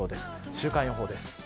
週間予報です。